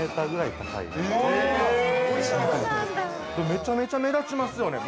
◆めちゃくちゃ目立ちますよね。